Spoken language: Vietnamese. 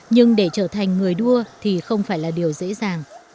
nhưng để trở thành người đua thì không phải là điều dễ dàng